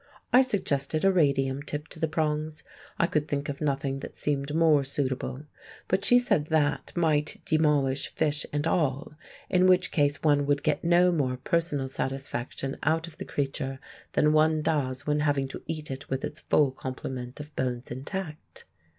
I suggested a radium tip to the prongs—I could think of nothing that seemed more suitable—but she said that might demolish fish and all, in which case one would get no more personal satisfaction out of the creature than one does when having to eat it with its full complement of bones intact.